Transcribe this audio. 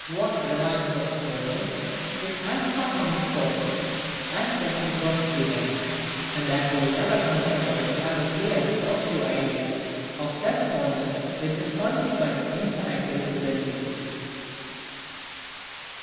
What remains of smallness is as far from his thoughts as when he first began; and therefore he never comes at all to have a clear and positive idea of that smallness which is consequent to infinite divisibility.